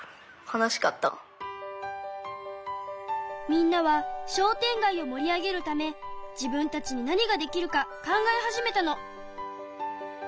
みんなは商店街をもり上げるため自分たちに何ができるか考え始めたの。